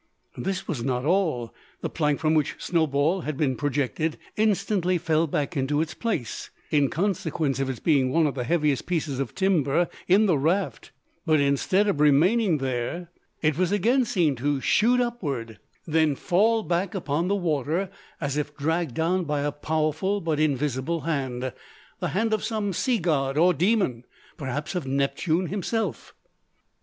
This was not all. The plank from which Snowball had been projected instantly fell back into its place, in consequence of its being one of the heaviest pieces of timber in the raft, but instead of remaining there, it was again seen to shoot upward, then fall back upon the water, as if dragged down by a powerful but invisible hand, the hand of some sea god or demon, perhaps of Neptune himself!